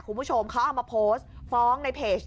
คุณผู้ชมเขาเอามาโพสต์ฟ้องในเพจ